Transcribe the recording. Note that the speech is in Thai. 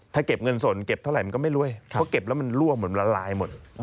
ถ้าเก็บเงินสดเก็บเท่าไหร่มันก็ไม่รู้เพราะเก็บแล้วมันล่วงเหมือนละลายหมด